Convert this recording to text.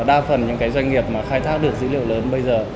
đa phần những cái doanh nghiệp mà khai thác được dữ liệu lớn bây giờ